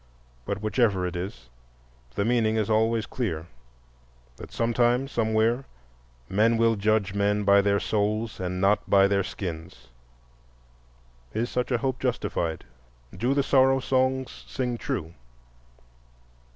But whichever it is, the meaning is always clear: that sometime, somewhere, men will judge men by their souls and not by their skins. Is such a hope justified? Do the Sorrow Songs sing true?